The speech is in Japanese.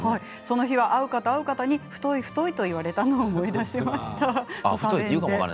その日は会う方会う方にふとい、ふといと言われたのを思い出しました。